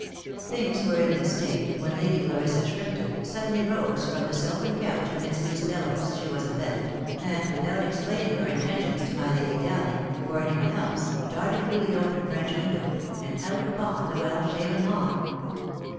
Things were in this state, when Lady Clarissa Shrimpton suddenly rose from the silken couch amidst whose pillows she was im bedded, and, without explaining her intentions to my Lady Dowling, or any one else, darted through the open French window, and out upon the well shaven lawn.